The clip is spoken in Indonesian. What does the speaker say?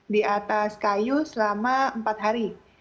di atas kayu selama empat hari